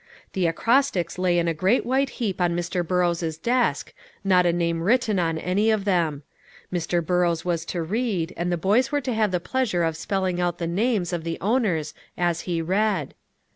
The acrostics lay in a great white heap on Mr. Burrows' desk, not a name written on any of them. Mr. Burrows was to read, and the boys were to have the pleasure of spelling out the names of the owners as he read.